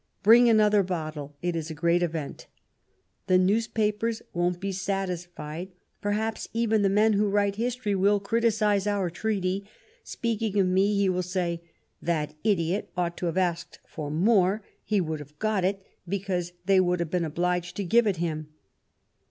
Bring another bottle. ... It is a great event. The newspapers won't be satisfied ; perhaps even the man who writes history will criticize our Treaty. Speaking of me, he will say :' That idiot ought to have asked for more ; he would have got it, because they would have been obliged to give it him.'